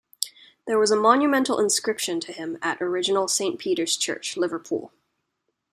There was a monumental inscription to him at original Saint Peter's Church, Liverpool.